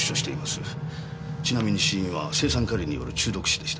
ちなみに死因は青酸カリによる中毒死でした。